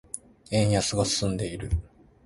円安が進んでいる。